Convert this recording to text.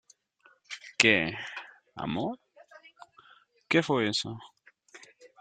¿ Qué, amor? ¿ qué fue eso ?